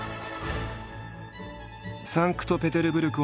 サンクトペテルブルク